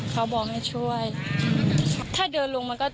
เขาบอกให้ช่วยถ้าเดินลงมันก็